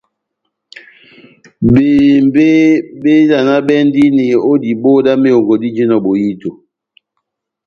Bebímbe bévalanabɛndini ó diboho dá mehongo dijinɔ bohito.